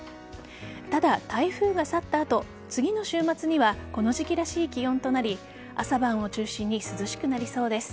ただ、台風が去った後次の週末にはこの時期らしい気温となり朝晩を中心に涼しくなりそうです。